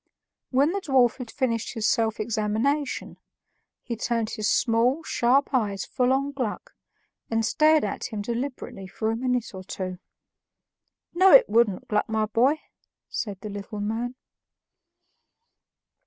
When the dwarf had finished his self examination, he turned his small, sharp eyes full on Gluck and stared at him deliberately for a minute or two. "No, it wouldn't, Gluck, my boy," said the little man.